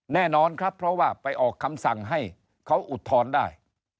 แน่นอนครับเพราะว่าไปออกคำสั่งให้เขาอุทธรณ์ได้